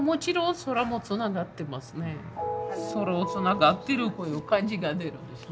空はつながってるっていう感じが出るんですね。